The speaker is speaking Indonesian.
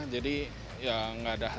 jadi ya nggak diangkut